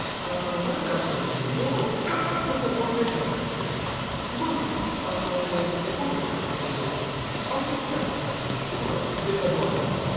何かあった時に女房がガーン！とボルテージが上がってすごい怒るとかっていう事が半分ぐらいに減らせるって事がデータ上わかりまして。